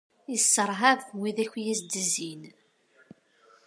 Isserhab wid akk i as-d-izzin.